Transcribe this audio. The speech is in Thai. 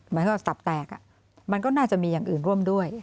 เหมือนกับตับแตกมันก็น่าจะมีอย่างอื่นร่วมด้วย